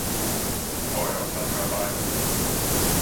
Qual é o seu trabalho?